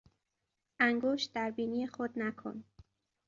انگشت در بینی خود نکن!